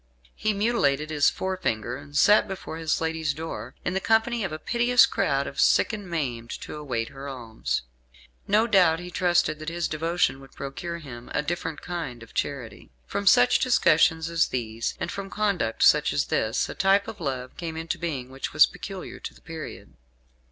He mutilated his forefinger, and sat before his lady's door, in the company of a piteous crowd of sick and maimed, to await her alms. No doubt he trusted that his devotion would procure him a different kind of charity. From such discussions as these, and from conduct such as this, a type of love came into being which was peculiar to the period.